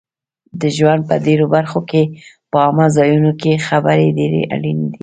د ژوند په ډېرو برخو کې په عامه ځایونو کې خبرې ډېرې اړینې دي